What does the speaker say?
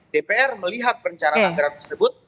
dpr melihat perencanaan anggaran tersebut